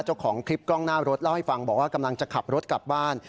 เจ้าของคลิปกล้องหน้ารถเล่าให้ฟังบอกว่ากำลังจะขับรถกลับบ้าน